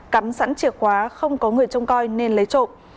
cắm sẵn chìa khóa không có người trông coi nên lấy trộm